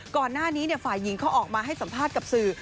ก่อนหน้านี้ฝ่ายหญิงเขาออกมาให้สัมภาษณ์กับสื่อ